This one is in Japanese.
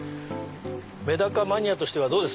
メダカマニアとしてはどうです？